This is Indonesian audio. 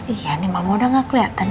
iya nih mama udah gak keliatan ini